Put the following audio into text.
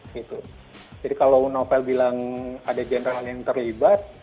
jadi kalau novel bilang ada general yang terlibat